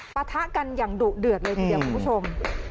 ปะทะกันอย่างดุเดือดเลยทีเดียวคุณผู้ชม